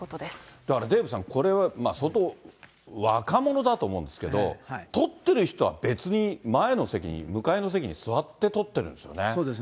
だからデーブさん、これは相当若者だと思うんですけど、取ってる人は別に、前の席に向かいの席に座って取ってるんですよ